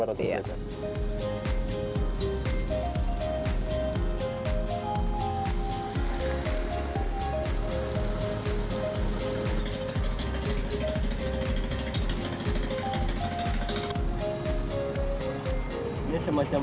tidak pasti yang akan penderita menerima terair